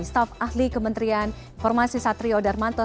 staf ahli kementerian informasi satrio darmanto